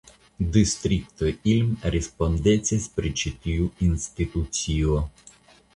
Distrikto Ilm respondecis pri ĉi tiu institucio.